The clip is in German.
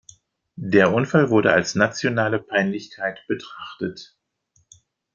Der Unfall wurde als nationale Peinlichkeit betrachtet.